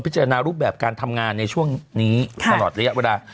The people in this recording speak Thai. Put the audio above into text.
จารณรูปแบบการทำงานในช่วงนี้ตลอดระยะเวลา